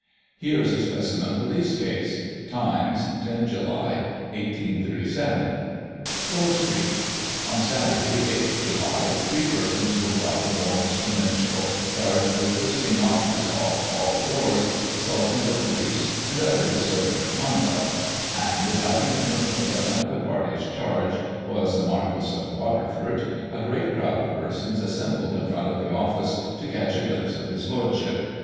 Here is a specimen police case. Times y 10 Julj/y 1837: Bow Street. — On Saturday (8th July) three persons were brought before Mr. Minshull, charged with twisting knockers off hall doors, assaulting the police, and other dis orderly conduct; and, it having been rumoured that one of the parties charged was the Marquis of Waterford, a great Digiti ized by Google 8 GOSSIP. [1837 crowd of persons assembled in front of the Office to catch a glimpse of his Lordship.